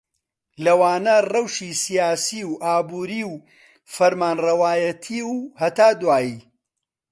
لەوانە ڕەوشی سیاسی و ئابووری و فەرمانڕەوایەتی و هتد